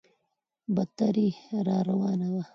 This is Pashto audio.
بدتري راروانه وه.